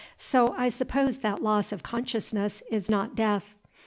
So I suppose that loss of consciousness is not death.